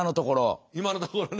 いまのところね。